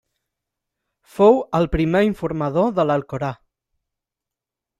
Fou el primer informador de l'Alcorà.